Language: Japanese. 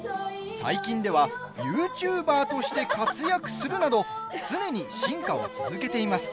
最近では、ＹｏｕＴｕｂｅｒとして活躍するなど常に進化を続けています。